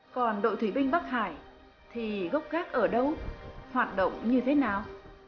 còn đội thủy binh bắc hải thì gốc gác ở đâu hoạt động như thế nào